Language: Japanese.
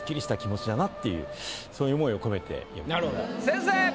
先生。